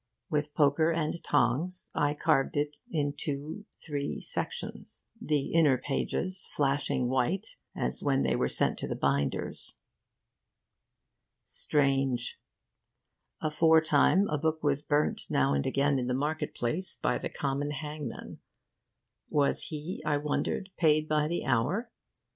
With poker and tongs I carved it into two, three sections the inner pages flashing white as when they were sent to the binders. Strange! Aforetime, a book was burnt now and again in the market place by the common hangman. Was he, I wondered, paid by the hour?